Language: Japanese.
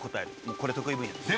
これ得意分野です。